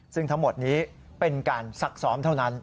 ซึ่งทั้งหมดนี้เป็นการซักซ้อมเท่านั้น